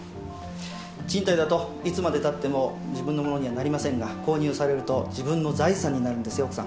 賃貸だといつまでたっても自分の物にはなりませんが購入されると自分の財産になるんですよ奥さん。